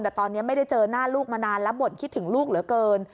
แต่ตอนนี้ไม่ได้เจอหน้าลูกมานานแล้วบ่นคิดถึงลูกเหลือเกิน